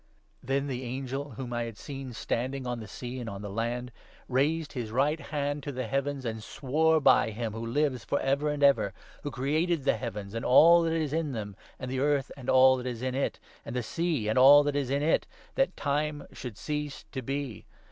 Then the angel, whom I had seen standing on the sea and on the land, ' raised his right hand to the heavens, and swore by him who lives for ever and ever, who created the heavens and all that is in them, and the earth and all that is in it, and the sea and all that is in it,' that time should cease to be.